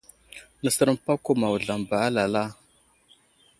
Nəsər məpako ma wuzlam ba alala.